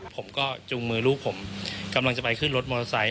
ผมก็จุงมือลูกผมกำลังจะไปขึ้นรถมอเตอร์ไซค